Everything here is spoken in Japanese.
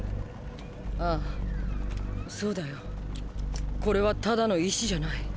あぁそうだよ。これはただの石じゃない。